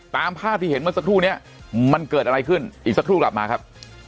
ตามภาพที่เห็นเมื่อสักครู่นี้มันเกิดอะไรขึ้นอีกสักครู่กลับมาครับ